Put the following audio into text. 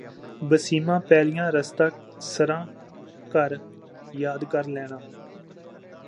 ਬਸੀਮਾਂ ਪੈਲੀਆਂ ਰਸਤਾ ਸਰਾਂ ਘਰ ਯਾਦ ਕਰ ਲੈਨਾਂ